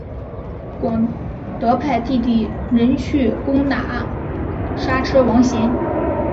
广德派弟弟仁去攻打莎车王贤。